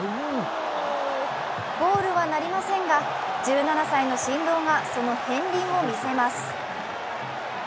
ゴールはなりませんが１７歳の神童がその片りんを見せます。